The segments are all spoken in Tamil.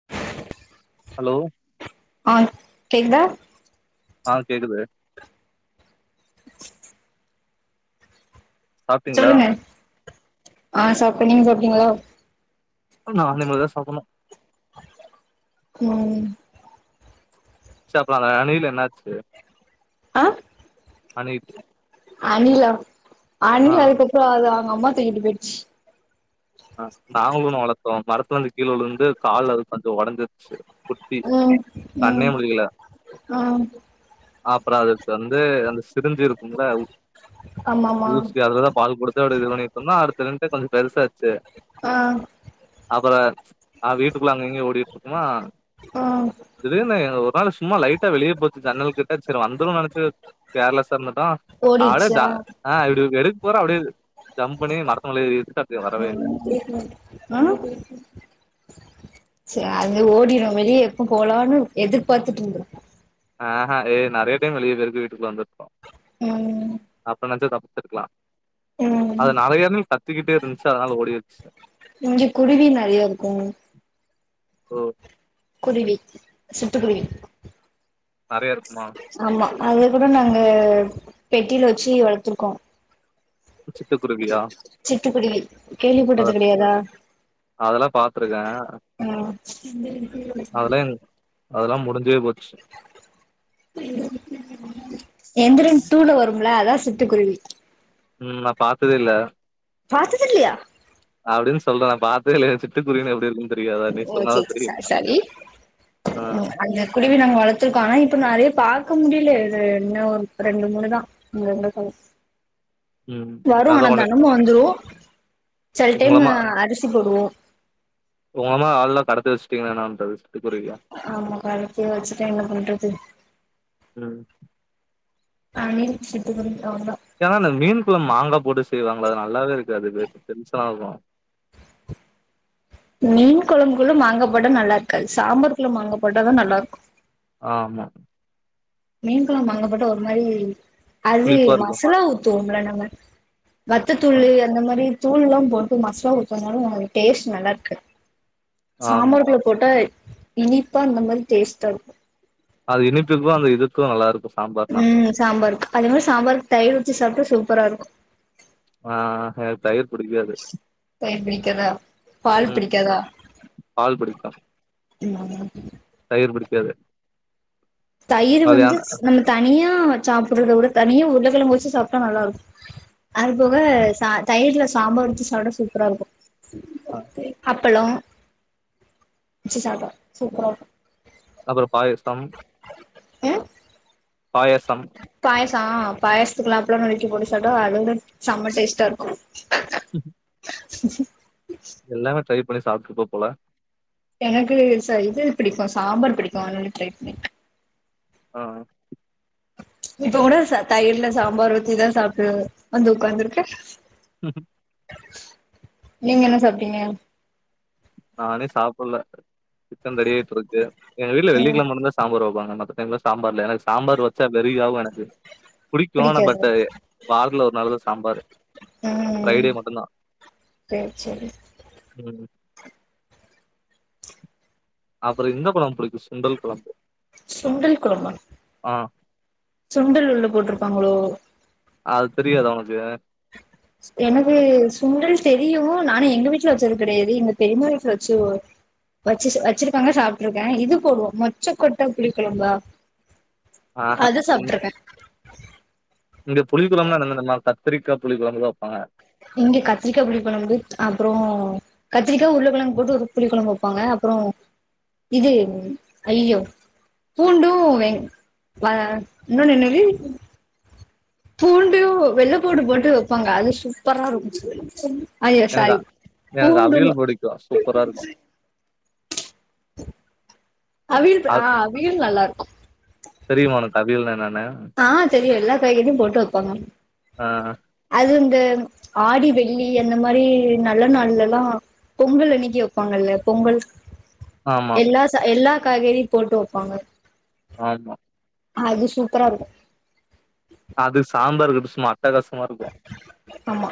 [inaudible] ஹலோ ஆ கேக்குதா ஆ கேக்குது சாப்ட்டீங்களா சொல்லுங்க ஆ சாப்ட நீங்க சாப்டீங்களா நா இனிமேதா சாப்புண்ணு ம் சே அப்ற அந்த அணில் என்னாச்சு ஆ அணில் அனிலா ஆ அனில் அதுக்கப்றோ அது அவுங்க அம்மா தூக்கிட்டு போயிடுச்சு ஆ நாங்களு ஒன்னு வளத்தோ மரத்துல இருந்து கீழ விழுந்து கால்ல அது கொஞ்சோ உடஞ்சுருச்சு குட்டி ம் கண்ணே ம் முலிகல ஆ அப்ற அதுக்கு வந்து அந்த சிரஞ்ச் இருக்குல ஆமாமா ஊசி அதுலதா பால் குடுத்த அ இது பண்ணி இருந்தோ அடுத்து ரெண்டு கொஞ்ச பெருசாச்சு ஆ அப்ற வீட்டுக்குள்ள அங்க இங்கயு ஓடிட்டு இருக்குமா ஆ திடீர்னு ஒரு நாளு சும்மா லைட்டா வெளிய போச்சு ஜன்னல் கிட்ட செரி வந்துரு நெனச்சு கேர்லெஸ்ஸா இருந்தட்டோ அப்டியே ஓடிடுச்சா த இப்டி எடுக்கபோறோஅப்டியே ஜம்ப் பண்ணி மரத்துமேல ஏறிடுச் ஆ சே அது ஓடிடு வெளிய எப்ப போலானு எதிர்பாத்துட்டு இருந்துருக்கு ஆஹ ஏ நிறைய டைம் வெளிய பேய்ருக்கு வீட்டுள்ள வந்துருக்கோ ம் அப்ப நெனச்ச தப்பிச்சிருக்லா ம் அது நெறைய இனத்துல கத்திக்கிட்டே இருந்துச்சு அதனால ஓடிச்சு இ்ங்க குருவி நிறைய இருக்கு ஓ குருவி சிட்டுக்குருவி நறைய இருக்குமா ஆமா அத கூட நாங்க பெட்டில வச்சி வளத்துருக்கோ சிட்டுக்குருவியா? சிட்டுகுருவி கேள்விபட்டது கெடயாதா அதல்லா பாத்துருக்க ம் அதல்லா எங் அதல்லா முடிஞ்சே போச்சு எந்திரன் டூல வரும்ல அதா சிட்டுக்குருவி ம் நா பாத்ததே இல்ல பாத்ததில்லையா அப்டின் சொல்ற நா பாத்ததேயில்லயே சிட்டுக்குருவினா எப்டி இருக்கு தெரியாதா நீ ஓகே சொன்னாதா சாரி தெரியுமா சாரி ஆ ம் அந்த குருவி நாங்க வளத்துருக்கோ ஆனா இப்ப நறையா பாக்க முடில இது இன்னு ஒரு ரெண்டு மூணு தா அங்க என்ன சம ம் வரு ஆனா அதான் உன்ன தெனமு வந்துரு செல டைமு உங்களமா அரிசி போடுவோ உங்கள மாரி ஆள்லா கடத்தி வச்சிட்டீங்கன்னா என்னா பண்றது சிட்டுக்குருவிய ஆமா கடத்தி வச்சுட்டா என்ன பண்றது ம் அனில் சிட்டுகுறிப்பாங்க ஏன்னா இந்த மீன் கொழம்பு மாங்கா போட்டு செய்வாங்ளா அது நல்லாவே இருக்காது எனக் டென்ஷனாகு மீன் கொழம்புகுள்ள மாங்கா போட்டா நல்லா இருக்காது சாம்பார்க்குள்ள மாங்கி போட்டாதா நல்லா இருக்கு ஆமா மீன் கொழம்பு மாங்கா போட்ட ஒரு மாரி அது புளிப்பா இருக்கும். மசாலா ஊத்துவோம்ல நம்ம வத்தத் ஆ, தூளு அந்த மாரி தூளுலா போட்டு மசாலா ஊத்துனாலு டேஸ்ட் நல்லா இருக்காத் ஆமா. சாம்பார் குள்ள போட்டா இனிப்பா இந்த மாரி டேஸ்ட்டா இருக்கு அது இனிப்புக்கு அந்த இதுக்கு நல்லாருக்கு ம் சாம்பாருக்கு அதே மாரி சாம்பாருக்கு தயிர் வச்சி சாப்ட்டா சூப்பரா இருக்கு ஆ எனக்கு தயிர் புடிக்காது தயிர் புடிக்காதா பால் ம் புடிக்காதா பால் பிடிக்கு ம் தயிர் புடிக்காது தயிர் வந்து நம்ம தனியா சாப்டுறத விட தனியா உருளக்கெழங்கு வச்சு சாப்ட்டா நல்லாருக் அதுபோக ச தயிர்ல சாம்பார் ஊத்தி சாப்டா சூப்பரா இருக்கு ஆ அப்பளோ வச்சி சாப்டா சூப்பராருக்கு அப்ற பாயசம் ம் பாயசம் பாயசம் ஆ பாயசத்துக்குலா அப்பள நொறுக்கி போட்டு சாப்டா அதவுட சம்ம டேஸ்ட்டா இருக்கு ம் ம் எல்லாமே ட்ரை பண்ணி சாப்டுறுப்ப போல எனக்கு ச இது புடிக்கு சாம்பார் புடிக்கு அதுனால ட்ரை பண்ணிருக் ஆ இப்ப கூட ச தயிர்ல சாம்பார் ஊத்திதா சாப்ட்டு வந்து உக்காந்துருக்கே நீங்க என்ன சாப்டீங்க? நானே சாப்புல்ல டிபன் ரெடி ஆகிட்டு இருக்கு எங்க வீட்டுல ம் வெள்ளிக்கிழம மட்டு தா சாம்பார் வப்பாங்க மத்த டைம்ல சாம்பார் இல்ல ஏனா எனக்கு சாம்பார் வச்சா வெரி ஆவு எனக்கு புடிக்கு ஆனா பிடிக்காது பட் வாரத்துல ஒரு நாள்தா சாம்பாரு ம் ஃப்ரைடே ம் மட்டுந்தா செரி செரி ம் அப்புற இந்த பழோ புடிக்கு சுண்டல் கொழம்பு சுண்டல் கொழம்பமா ஆ சுண்டல் உள்ள போட்டிருப்பாங்களோ அது தெரியாதா உனக்கு எனக்கு சுண்டல் தெரியு நானு எங்க வீட்டுல வெச்சது கெடையாது எங்க பெரிம்மா வீட்ல வெச்சு ஒ வச்சு வச்சிருக்காங்க சாப்பிட்டுருக்கே இது போடுவோ மொச்சக்கொட்ட புளிக்கொழம்பா ஆஹ அது சுண் சாப்ட்டுருக்கே இங்க புளி கொழம்புனா [unintelligible] தெர்மா கத்திரிக்கா புளி கொழம்புதா வைப்பாங்க இங்க கத்திரிக்கா புளிக் கொழம்பு அப்பறோ கத்திரிக்கா உருளகெழங்கு போட்டு ஒரு புளி கொழம்பு வைப்பாங்க அப்பறோ இது அய்யோ பூண்டு வெ வ இன்னொன்னு என்னது பூண்டு வெள்ளை பூண்டு போட்டு வைப்பாங்க அது சூப்பரா இருக்கு அய்யோ எனக்கு சாரி எனக்கு பூண்டுன்னு அவியல் பிடிக்கு சூப்பரா இருக்கு அவிய அ ஆ அவியல் நல்லாருக்கு தெரியுமா உனக்கு அவியல்னா என்னன்னு ஆ தெரியு எல்லா காய்கறியு போட்டு வப்பாங்க ஆ அது இந்த ஆடி வெள்ளி அந்த மாரி நல்ல நாள்லலா பொங்கல் அன்னைக்கி வப்பாங்கல்ல பொங்கல் ஆமா எல்லா ச எல்லா காய்கறியு போட்டு வப்பாங்க ஆமா அது சூப்பரா இருக்கு அதுக்கு சாம்பார் வக்கறது சும்மா அட்டகாசமா இருக்கு ஆமா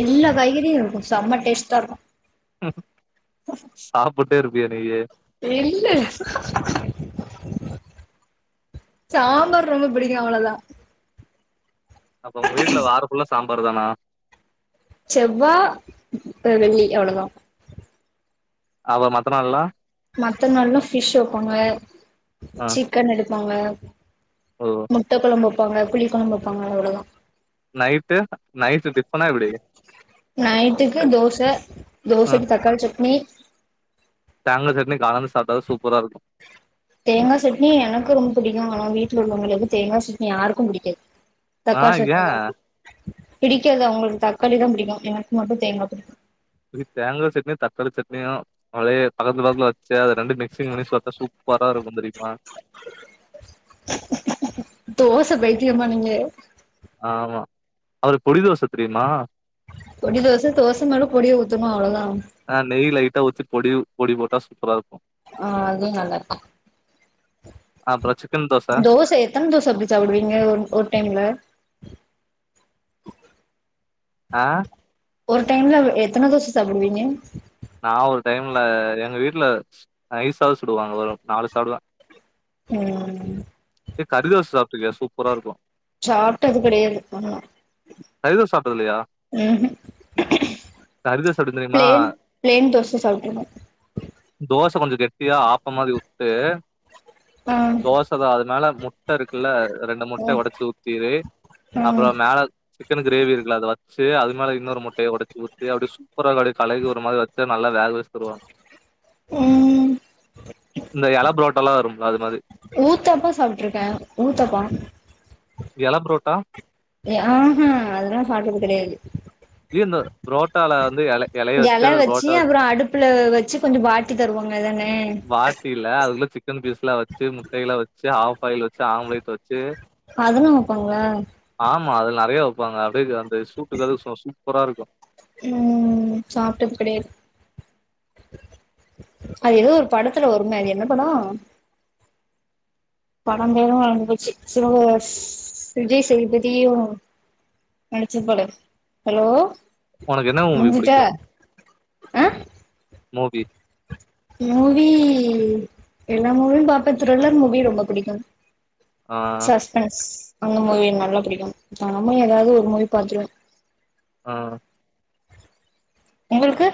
எல்லா காய்கறியும் இருக்கு செம்ம டேஸ்டா ம் சாப்புட்டே இருப்பியா டெய்லியும் இல்ல சாம்பார் ரொம்ப பிடிக்கும் அவ்ளோதான் அப்ப உங்க வீட்ல வார ஃபுல்லா சாம்பார் தானா செவ்வா வெள்ளி அவ்ளோதான் அப்ப மத்த நாள்லா மத்த நாள்லா ஃபிஷ் வைப்பாங்க ஆ சிக்கன் எடுப்பாங்க ஓ முட்ட குழம்பு வெப்பாங்க புளி குழம்பு வெப்பாங்க அவ்ளோதான் நைட்டு நைட்டு டிஃபனா எப்படி நைட்டுக்கு தோச ஆ தோசைக்கு தக்காளி சட்னி தேங்கா சட்னி காலைல சாப்ட்டாதான் சூப்பரா ருக்கும் தேங்கா சட்னி எனக்கு ரொம்ப புடிக்கு ஆனா வீட்ல உள்ளவங்ளுக்கு தேங்காய் சட்னி யாருக்கும் புடிக்காது ஆ தக்காளி ஏ சட்னி தான் பிடிக்கும் பிடிக்காது அவுங்களுக்கு தக்காளி தான் பிடிக்கும் எனக்கு மட்டும் தேங்கா பிடிக்கும் தேங்கா சட்னியோ தக்காளி சட்னியோ அதையே பக்கத்து பக்கத்துல வெச்சு அது ரெண்டும் மிக்சிங் பண்ணி சாப்ட்டா‌ சூப் சூப்பராருக்கும் தெரியுமா தோச பைத்தியமா நீங்க ஆமா அ பொடிதோச தெரியுமா பொடி தோச தோச மேல பொடிய ஊத்னோம்மா அவ்ளோதான் ஆ நெய் லைட்டா ஊத்தி பொடி பொடி போட்டா சூப்பரா இருக்கும் ஆ அது நல்லாருக்கு அப்பறம் சிக்கன் தோச தோச எத்தன தோசை அப்டி சாப்புடுவீங்க ஒர் ஒரு டைம்ல ஆ ஒர் டைம்ல எத்தன தோச சாப்டுவிங்க நா ஒரு டைம்ல எங்க வீட்டுல நைசாதா சுடுவாங்க ஒரு நாலு சாப்டுவே ம் ஏ கறிதோச சாப்டுருக்கியா சூப்பரா ருக்கு சாப்டது கெடையாது அதல்லா து சாப்டது இல்லையா ஆ பிளேன் பிளேன் தோச சாப்ருக்கே தோச கொஞ்சம் கெட்டியா ஆப்ப மாரி உட்டு ஆ அத அது மேல முட்ட இருக்குல ரெண்டு முட்ட ஆ ஒடச்சி ஊத்திரு அப்புறோம் மேல சிக்கன் கிரேவி இருக்குல அத வச்சி அது மேல இன்னொரு முட்டய ஒடச்சி ஊத்தி அப்படி சூ ப்பரா கலைக்கு ஒரு மாரி வச்சி நல்ல வேக வச்சி தருவாங்க ம் கே இந்த எல புரோட்டலாம் வரும்ல அது மாரி ஊத்தப்பா சாப்பிட்ருக்கேன் ஊத்தப்போம் எல ப்புரோட்டா ஆஹான் அதெல்லாம் சாப்ட்டது கெடையாது இ வந்து புரோட்டால வந்து எல எலைய எல அது வச்சு புரோட்டா அப்பறம் அடுப்புல வெச்சு கொஞ்சம் வாட்டி தருவாங்க அதானே அப்டியில்ல அதுக்குள்ள சிக்கன் பீஸ்ல்லாம் வெச்சு முட்டைல்லாம் வச்சு ஹாஃப் ஆயில் வச்சு ஆம்லேட் வச்சு அதலா வப்பாங்களா ஆமா அதுல நறைய வப்பாங்க அப்டியே அந்த சூட்டுக்கது சும்மா சூப்பரா இருக்கு ம் சாப்ட்டது கெடையாது அது எதோ ஒரு படத்துல வருமே அது என்ன படோ படம் பேரும் மறந்து போச்சி சோ ஸ் விஜய்சேதுபதியு நடுச்சிருப்பாலே ஹலோ உனக்கு என்னா மூவி முடிஞ்சிட்டா புடிக்கு ஆ மூவி மூவி எல்லா மூவியும் பாப்ப திரில்லர் மூவி ரொம்ப பிடிக்கு ஆ சஸ்பென்ஸ் அந்த மூவி நல்லா புடிக்கு தெனமு எதாவது ஒரு மூவி பாத்துருவ ஆ உங்களுக்கு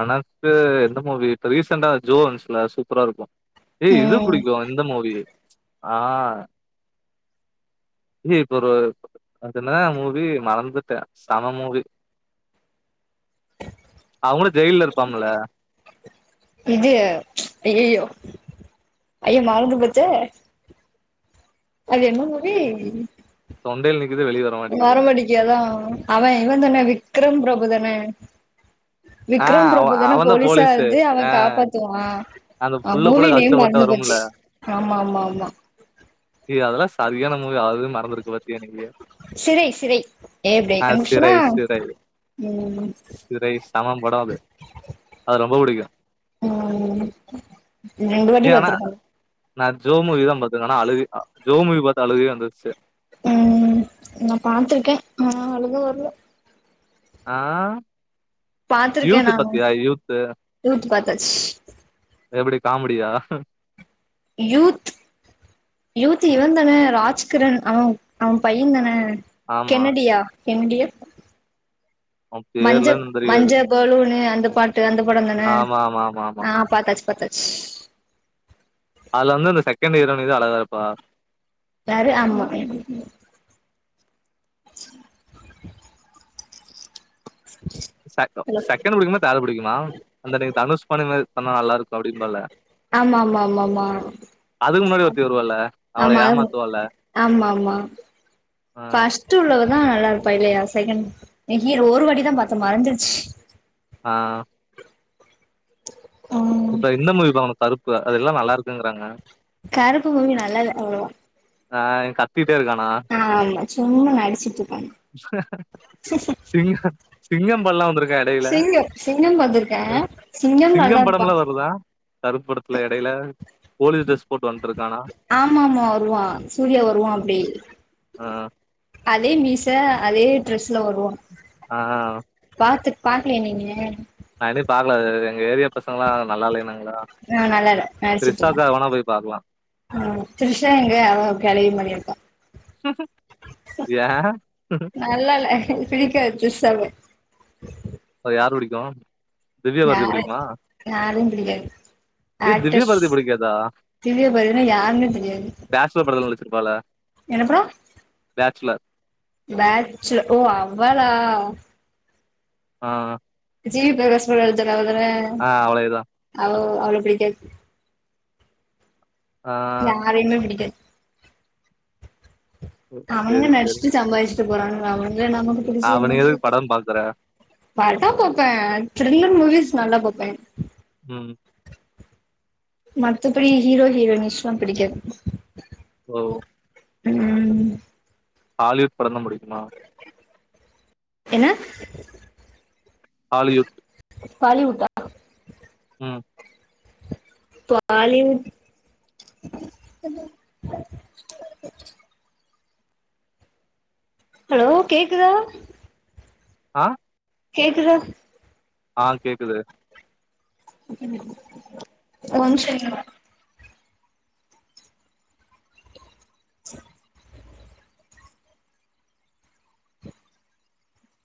எனக்கு எந்த மூவி இப்ப ரீசன்ட்டா ஜோ வந்ச்சில சூப்பரா இருக்கு ஏய் இது ம் பிடிக்கு இந்த மூவி ஆ ஏய் இப்ப ஒரு அது என்னா மூவி மறந்துட்ட சம மூவி அவுங்களு ஜெயில்ல இருப்பாம்ல்ல இது ஐய்யயோ ஐயோ மறந்து போச்சே அது என்ன மூவி தொண்டையில நிக்குது வெளிய வ வரமாட்டேகு அதா அவன் இவன் தான விக்ரம் பிரபுதான ஆ விக்ரம் அவ பிரபு தான அவன்தா போலீஸா போலீஸு இருந்து அவ ஆ காப்பாத்துவா அந்த ஆ புள்ள கூட மூவி நேம் கஷ்டப்பட்டு வரும்ல மறந்துபோச்சி ஆமா ஆமா ஆமா ஏய் அதெல்லா சரியான மூவி அது மறந்துருக்கு பாத்தியா எனக்கு சிறை சிறை எப்டி கண்டுபுடிச்சிடனா சிறை சிறை ம் சிறை சம படோ அது அது ரொம்ப புடிக்கு ம் ம் ரெண்டு வாட்டி ஏ ஆனா பத்துருக்க நா ஜோ மூவிதா பாத்ருக்க ஆனா அழுக ஜோ மூவி பாத்து அழுகயே வந்துருச்சு ம் நா பாத்துருக்க ஆனா அழுக வரல ஆ பாத்திருக்கே யூத்து நானு பாத்தியா யூத்து யூத் பாத்தாச்சு எப்படி காமடியா யூத் யூத் இவந்தான ராஜ்கிரண் அவ அவ பையந்தான ஆமா கென்னடியா கென்னடியா அவ மஞ்ச பேர்லா என்னன் தெரியாது மஞ்ச பலூனு அந்த பாட்டு அந்த படோ தான ஆமா ஆமா ஆமா ஆமா ஆ பாத்தாச்சு பாத்தாச்சு அதுல வந்து அந்த செகண்ட்டு ஹீரோயினிதா அழகா இருப்பா யாரு ஆமா [inaudible] [inaudible] செகண்ட் ஹலோ செக்கண்டு புடிக்குமா தேர்டு புடிக்குமா அந்த டை தனுஷ் பண்ணி பண்ணா நல்லா இருக்கு அப்டின்ம்பால ஆமா ஆமா ஆமா ஆமா அதுக்கு முன்னாடி ஒருத்தி வருவால அவன ஆமா அது ஏமாத்துவல ஆ ட்ரூ லவ்வுதா நல்லா இருப்பா இல்லையா செகண்டு ஹீரோ ஒரு வாட்டிதா பாத்த மறந்துடுச்சு ஆ ம் இப்ப இந்த மூவி பாக்கனு கருப்பு அத எல்லா நல்லா இருக்குங்கறாங்க கருப்பு மூவி நல்லால அவ்ளவா ஆய் கத்திட்டே இருக்கானா ஆமா சும்மா நடிச்சிட் இர்க்கான் திங் ஹப் சிங்கபல்லா வந்துருக்கன் சிங்க்யோ சிங்கம் பாத்துருக்கே சிங்கம் நல்லார்ப்பா கருப் படத்துல எடைய்ல போலீ ட்ரெஸ் போட்டு வந்ட்ருக்கானா ஆமாமா வருவா சூர்யா வருவா அப்டி ஆ அதே மீச அதே ட்ரெஸ்ல வருவா ஆஆவ் பாத்து பாக்லயா நீனு நா இனி பாக்ல [unintelligible] எங்க ஏரியா பசங்கள்லா நல்லாலேனாங்க லா ஆ நல்லா இல்ல த்ரிஷாக்காக வாணா போய் பாக்லா ஆ த்ரிஷா எங்க அவ கெழவி மாறியே இருக்கா யா நல்லால்ல பிடிக்காத் த்ரிஷாவ ப யாரு பிடிக்கு திவ்ய பாரதி யாரு பிடிக்குமா யாரையு பிடிக்காது ஏ திவ்ய பாரதி புடிக்காதா திவ்யபாரதினா யார்னே தெரியாது பேச்சுலர் படத்துல நடிச்சிருப்பால என்னப்ரோ பேச்சுலர் பேட்ச்சு ஓ அவ்வலா ஆ ஜிவி ப்ரகாஷ் கூட நடிச்சாலே அவ தானே ஆ அவ்ளே தா ஆவ் அவ்ள பிடிக்காத் ஆ யாரையுமே பிடிக்காத் அவனுங்க சேரி சேரி நடிச்ட்டு ச்சம்பாரிச்ட்டு போறாங்க அவங்க நமக்கு பிடிச்சி அவன என்ன எதுக்கு செய்ற்து படம் பாக்குற பாத்தா போப்பே த்ரில்லர் மூவிஸ் நல்லா போப்பே உம் மத்தபடி ஹீரோ ஹீரோயினிஷ்லா பிடிக்காது ஓ ம் ஹாலிவுட் படம் தா புடிக்குமா என்ன ஹாலியுட் தாலிவுட்டா ம் த்வாலிவுட் ஹலோ கேக்குதா ஆ கேக்குதா ஆ கேக்குது ஒ நிம்ஷோ இருங்க ச்ச